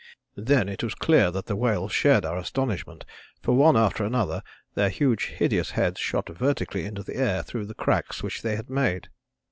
Then it was clear that the whales shared our astonishment, for one after another their huge hideous heads shot vertically into the air through the cracks which they had made.